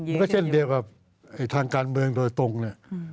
มันก็เช่นเดียวกับทางการเมืองโดยตรงเนี่ย